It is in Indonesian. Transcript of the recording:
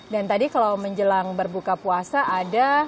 dan tadi kalau menjelang berbuka puasa ada